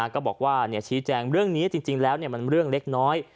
ก็บอกว่าชี้แจงเรื่องนี้จริงแล้วมันเรื่องเล็กน้อย